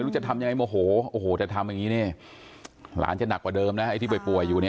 ก็จะทำยังไงก็ไม่ได้ว่าตั้งใจนั่น